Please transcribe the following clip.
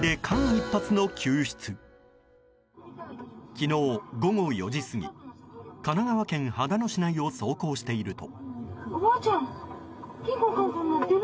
昨日午後４時過ぎ神奈川県秦野市内を走行していると。